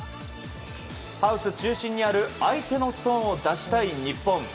ハウス中心にある相手のストーンを出したい日本。